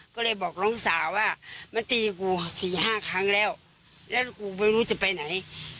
ก็เลยบอกน้องสาวว่ามาตีกูสี่ห้าครั้งแล้วแล้วกูไม่รู้จะไปไหน